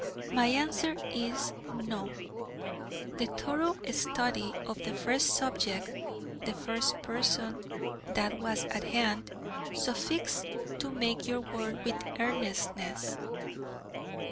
My answer is No! The thorough study of the first subject, the first person, that was at hand, sufficed to make you work with earnestness.